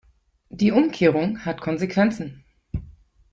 Die Umkehrung hat Konsequenzen.